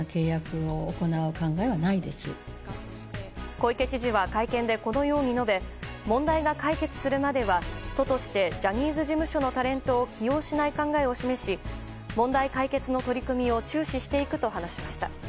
小池知事は会見でこのように述べ問題が解決するまでは、都としてジャニーズ事務所のタレントを起用しない考えを示し問題解決の取り組みを注視していくと話しました。